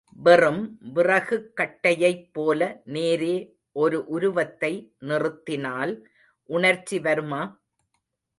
வெறும் விறகுக் கட்டையைப் போல நேரே ஒரு உருவத்தை நிறுத்தினால் உணர்ச்சி வருமா?